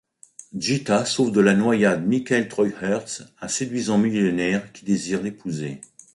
Gita sauve de la noyade Michael Treuherz, un séduisant millionnaire qui désire l'épouser.